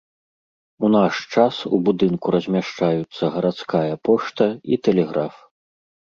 У наш час у будынку размяшчаюцца гарадская пошта і тэлеграф.